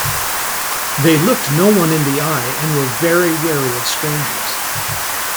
They looked no-one in the eye and were very wary of strangers.